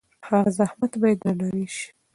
د هغه زحمت باید درناوی شي.